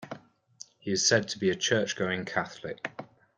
He is said to be a Church-going Catholic.